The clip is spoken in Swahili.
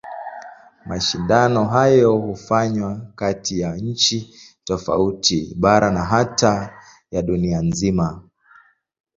Mashindano hayo hufanywa kati ya nchi tofauti, bara na hata ya dunia nzima.